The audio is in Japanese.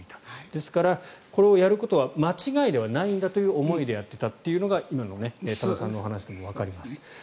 ですから、これをやることは間違いではないんだという思いでやっていたというのが今の多田さんのお話でもわかります。